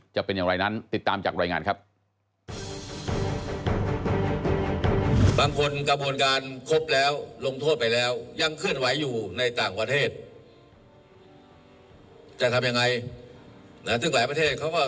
จะเป็นอย่างไรนั้นติดตามจากรายงานครับ